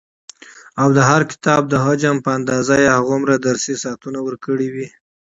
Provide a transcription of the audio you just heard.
او د هر کتاب د حجم په اندازه يي هغومره درسي ساعتونه ورکړي وي،